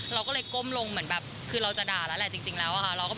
เราก็เลยก้มลงเหมือนแบบคือเราจะด่าแล้วแหละจริงแล้วอะค่ะ